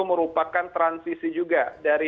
merupakan transisi juga dari